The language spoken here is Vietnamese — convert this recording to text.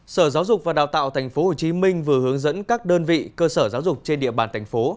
sở giáo dục và đào tạo tp hcm vừa hướng dẫn các đơn vị cơ sở giáo dục trên địa bàn thành phố